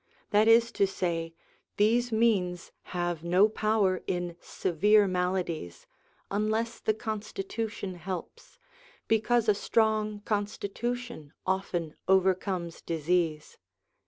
That is to say, these means have no power in severe maladies, unless the constitution helps, because a strong con stitution often overcomes disease.